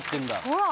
ほら。